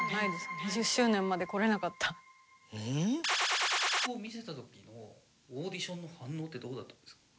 ２０周年までこれなかった。を見せた時のオーディションの反応ってどうだったんですか？